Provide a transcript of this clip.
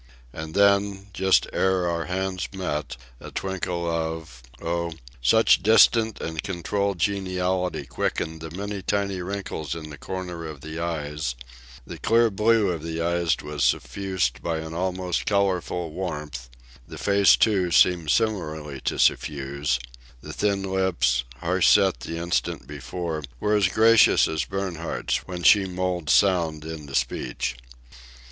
And then, just ere our hands met, a twinkle of—oh—such distant and controlled geniality quickened the many tiny wrinkles in the corner of the eyes; the clear blue of the eyes was suffused by an almost colourful warmth; the face, too, seemed similarly to suffuse; the thin lips, harsh set the instant before, were as gracious as Bernhardt's when she moulds sound into speech.